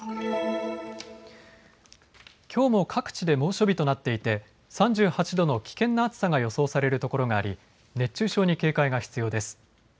きょうも各地で猛暑日となっていて３８度の危険な暑さが予想されるところがあり熱中症に警戒が必要です。